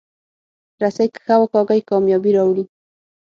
رسۍ که ښه وکارېږي، کامیابي راوړي.